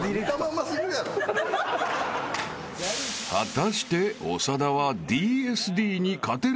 ［果たして長田は］